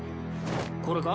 これか？